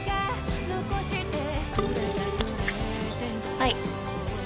はい。